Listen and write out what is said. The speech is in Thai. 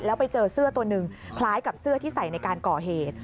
แล้วไปเจอเสื้อตัวหนึ่งคล้ายกับเสื้อที่ใส่ในการก่อเหตุ